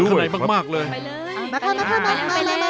ไปเลยไปเลยไปเลย